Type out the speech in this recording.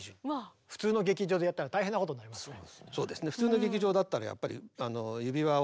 普通の劇場でやったら大変なことになりますね。